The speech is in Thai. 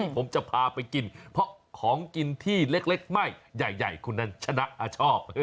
ผมจะพาไปกินเพราะของกินที่เล็กไม่ใหญ่คุณนั้นชนะชอบ